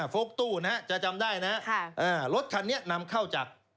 ฟกตู้นะฮะจะจำได้นะรถคันนี้นำเข้าจาก